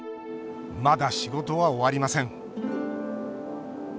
まだ仕事は終わりません